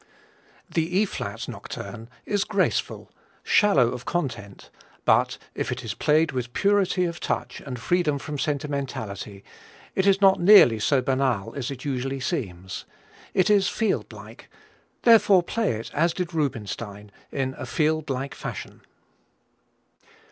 The E flat nocturne is graceful, shallow of content, but if it is played with purity of touch and freedom from sentimentality it is not nearly so banal as it usually seems. It is Field like, therefore play it as did Rubinstein, in a Field like fashion.